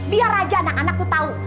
biar aja anak anak tuh tahu